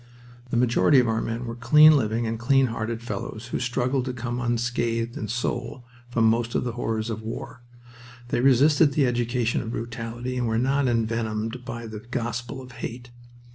The majority of our men were clean living and clean hearted fellows who struggled to come unscathed in soul from most of the horrors of war. They resisted the education of brutality and were not envenomed by the gospel of hate.